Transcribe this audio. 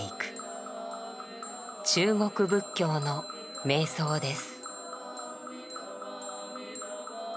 中国仏教の瞑想です。